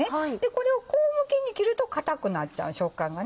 これをこう向きに切ると硬くなっちゃう食感がね。